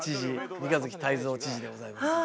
三日月大造知事でございます。